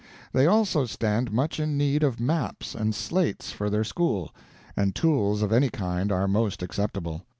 They also stand much in need of maps and slates for their school, and tools of any kind are most acceptable.